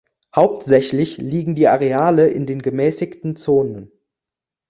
Hauptsächlich liegen die Areale in den Gemäßigten Zonen.